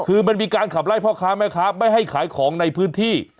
คือมันมีการขับไล่พ่อค้าแม่ค้าไม่ให้ขายของในพื้นที่